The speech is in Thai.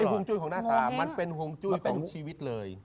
ไม่ใช่ฮุงจุ้ยของหน้าตามันเป็นฮุงจุ้ยของชีวิตเลย